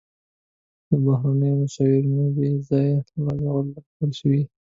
د بهرنیو مشاورینو په بې ځایه لګښتونو لګول شوي.